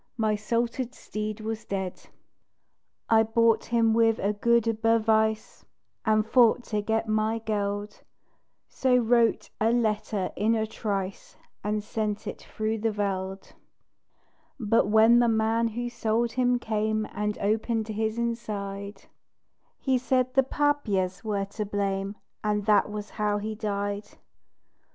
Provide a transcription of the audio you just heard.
My salted steed was DEAD. I bought him with a good "Bewijs," And thought to get my geld So wrote a letter in a trice, And sent it through the veld; But when the man who sold him came And opened his inside He said the "paapjes" were to blame, And that was how he died!